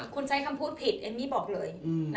คุณใช้คำพูดผิดเอมมี่บอกเลย